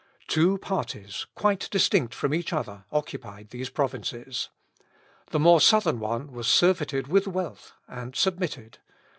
Two parties, quite distinct from each other, occupied these provinces. The more Southern one was surfeited with wealth, and submitted.